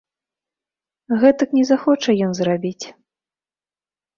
Гэтак не захоча ён зрабіць.